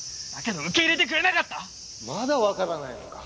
まだわからないのか？